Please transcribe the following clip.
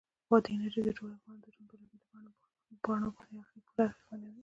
بادي انرژي د ټولو افغانانو ژوند په بېلابېلو بڼو باندې پوره اغېزمنوي.